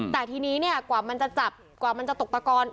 แต่ทีนี้เนี่ยกว่ามันจะจับกว่ามันจะตกตะกอน